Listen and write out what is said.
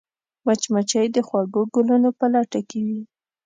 مچمچۍ د خوږو ګلونو په لټه کې وي